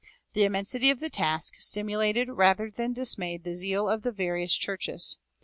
The immensity of the task stimulated rather than dismayed the zeal of the various churches.